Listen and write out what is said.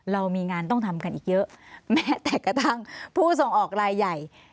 เรามีงานต้องทำกันอีกเยอะแม้แต่กระทั่งผู้ส่งออกรายใหญ่